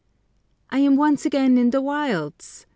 I AM once again in the wilds!